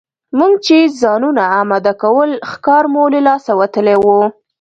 موږ چې ځانونه اماده کول ښکار مو له لاسه وتلی وو.